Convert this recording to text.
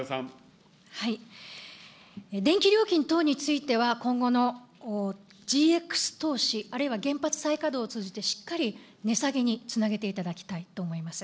電気料金等については、今後のＧＸ投資あるいは原発再稼働を通し、しっかり値下げにつなげていただきたいと思います。